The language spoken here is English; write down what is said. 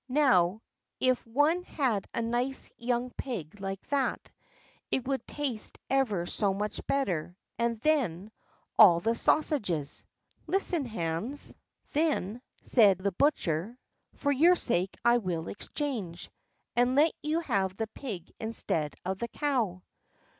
Now, if one had a nice young pig like that, it would taste ever so much better; and then, all the sausages!" "Listen, Hans!" then said the butcher; "for your sake I will exchange, and let you have the pig instead of the cow."